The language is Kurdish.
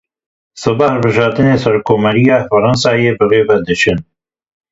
Sibê hilbijartinên serokkomariya Fransayê birêve diçin.